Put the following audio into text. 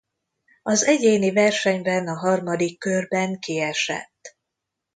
Az egyéni versenyben a harmadik körben kiesett.